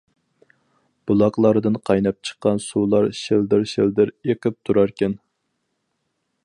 بۇلاقلاردىن قايناپ چىققان سۇلار شىلدىر-شىلدىر ئېقىپ تۇراركەن.